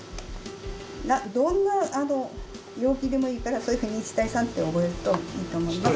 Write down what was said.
どんな容器でもいいからそういうふうに１対３って覚えるといいと思います。